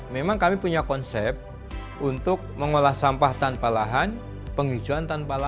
memang kami punya konsep untuk mengolah sampah tanpa lahan penghijauan tanpa lahan